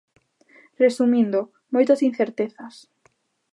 Resumindo: moitas incertezas.